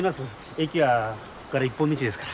駅はここから一本道ですから。